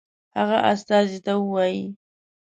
هغه استازي ته ووايي.